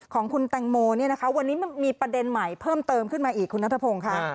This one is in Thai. ของคุณแต่งโมวันนี้มีประเด็นใหม่เพิ่มเติมขึ้นมาอีกคุณนัทพงค์ค่ะ